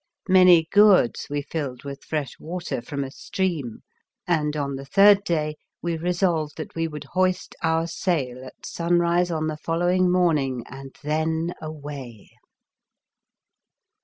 Many gourds we filled with fresh water from a stream, and, on the third day, we resolved that we would hoist our sail at sunrise on the following morning and then away.